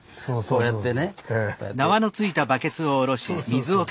こうやって。